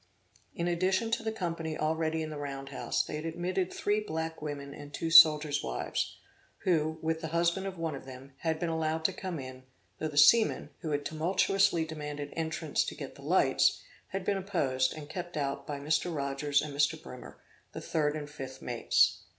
In addition to the company already in the round house, they had admitted three black women and two soldier's wives, who, with the husband of one of them, had been allowed to come in, though the seamen, who had tumultuously demanded entrance to get the lights, had been opposed and kept out by Mr. Rogers and Mr. Brimer, the third and fifth mates.